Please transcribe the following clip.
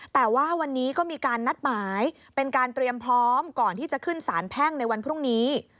แต่ว่าวันนี้ก็มีการนัดหมายเป็นการเตรียมพร้อมก่อนที่จะขึ้นสารแพ่งในวันพรุ่งนี้